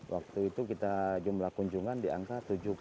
waktu itu kita jumlah kunjungan di angka tujuh puluh